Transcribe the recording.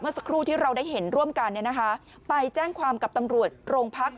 สักครู่ที่เราได้เห็นร่วมกันเนี่ยนะคะไปแจ้งความกับตำรวจโรงพัก